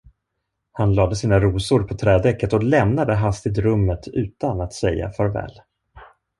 Han lade sina rosor på trädäcket och lämnade hastigt rummet utan att säga farväl.